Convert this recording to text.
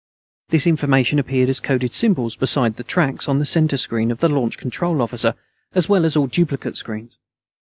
This information appeared as coded symbols beside the tracks on the center screen of the Launch Control Officer, as well as all duplicate screens.